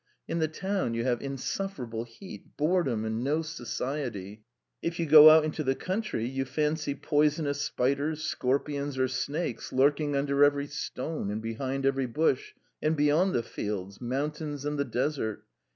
In the town you have insufferable heat, boredom, and no society; if you go out into the country, you fancy poisonous spiders, scorpions, or snakes lurking under every stone and behind every bush, and beyond the fields mountains and the desert.